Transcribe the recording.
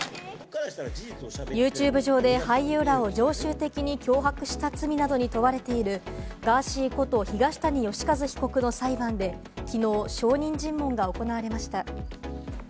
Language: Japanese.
ユーチューブ上で俳優らを常習的に脅迫した罪などに問われているガーシーこと東谷義和被告の裁判で、きのう証人尋問が行われました。